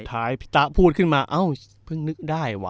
สุดท้ายพี่ตาพูดขึ้นมาเอ้าเพิ่งนึกได้ว่ะ